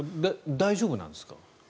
大丈夫なんですか？